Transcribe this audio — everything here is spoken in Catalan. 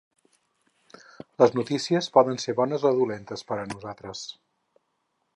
Les notícies poden ser bones o dolentes per a nosaltres.